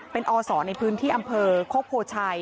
เป็นอศในพื้นที่อำเภอโคกโพชัย